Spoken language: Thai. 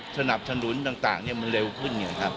สนับสนุนต่างมันเร็วขึ้น